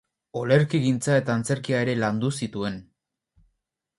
Olerkigintza eta antzerkia ere landu zituen.